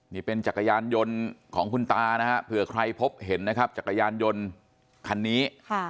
นี่เป็นจักรยานยนต์ของคุณตานะฮะเผื่อใครพบเห็นนะครับจักรยานยนต์คันนี้